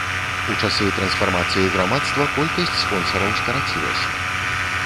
У часы трансфармацыі грамадства колькасць спонсараў скарацілася.